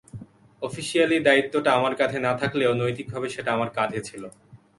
Officially দায়িত্বটা আমার কাঁধে না থাকলেও, নৈতিকভাবে সেটা আমার কাঁধে ছিল।